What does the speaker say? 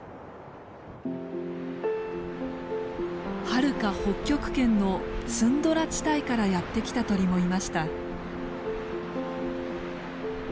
はるか北極圏のツンドラ地帯からやって来た鳥もいました。